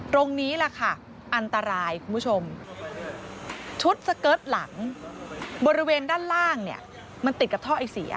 ตรงนี้แหละค่ะอันตรายคุณผู้ชมชุดสเกิร์ตหลังบริเวณด้านล่างเนี่ยมันติดกับท่อไอเสีย